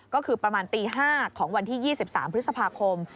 ก็คือประมาณตี๕ของวันที่๒๓พฤษภาคม